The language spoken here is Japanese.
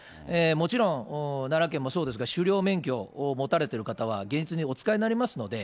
もちろん、奈良県もそうですが、狩猟免許を持たれてる方は、現実にお使いになりますので。